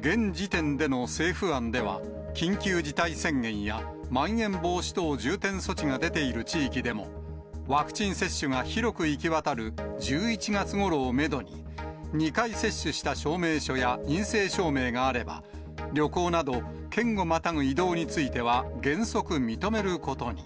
現時点での政府案では、緊急事態宣言や、まん延防止等重点措置が出ている地域でも、ワクチン接種が広く行き渡る１１月ごろをメドに、２回接種した証明書や陰性証明があれば、旅行など、県をまたぐ移動については原則認めることに。